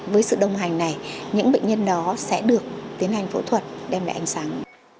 với sự đồng hành này những bệnh nhân đó sẽ được tiến hành phẫu thuật đem lại ánh sáng